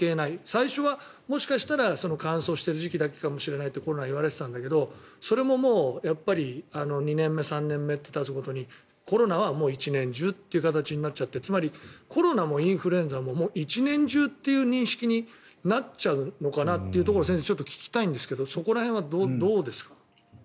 最初はもしかしたら乾燥している時期だけかもしれないってコロナは言われていたんだけどそれも２年目、３年目ってたつごとにコロナは一年中ということになっちゃってつまりコロナもインフルエンザも一年中っていう認識になっちゃうのかなというところ先生、聞きたいんですけれどそこら辺はどうですか？